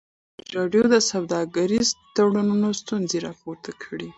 ازادي راډیو د سوداګریز تړونونه ستونزې راپور کړي.